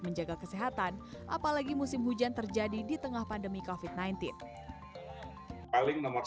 menjaga kesehatan apalagi musim hujan terjadi di tengah pandemi kofit sembilan belas paling nomor